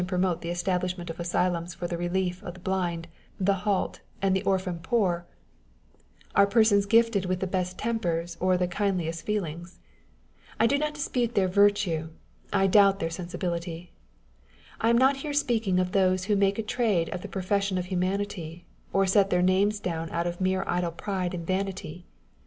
promote the establishment of asyhims for the relief of the blind, the halt, and the orphan poor, are persons gifted On the Spirit of Obligations^ 111 with the best tempers or the kindliest feelings. I do not dispute their virtue, I doubt their sensibility. I am not here speaking of those who make a trade of the profession of humanity, or set their names down out of mere idle parade and vanity.